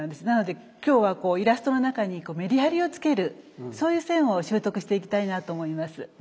なので今日はイラストの中にメリハリをつけるそういう線を習得していきたいなと思います。